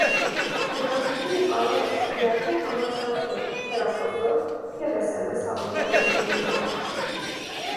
Բնակչությունը կարող էր քվեարկել համացանցով, հեռախոսով և սմս հաղորդագրություններով։